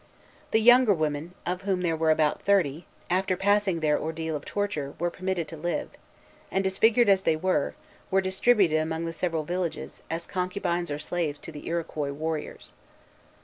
The younger women, of whom there were about thirty, after passing their ordeal of torture, were permitted to live; and, disfigured as they were, were distributed among the several villages, as concubines or slaves to the Iroquois warriors.